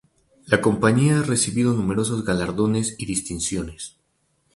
La compañía ha recibido numerosos galardones y distinciones.